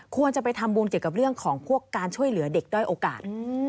ควรจะไปทำบุญเกี่ยวกับเรื่องของพวกการช่วยเหลือเด็กด้อยโอกาส